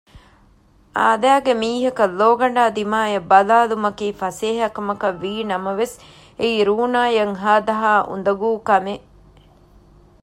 އާދައިގެ މީހަކަށް ލޯގަނޑާ ދިމާއަށް ބަލާލުމަކީ ފަސޭހަކަމަކަށް ވީނަމަވެސް އެއީ ރޫނާއަށް ހާދަހާ އުނދަގޫ ކަމެއް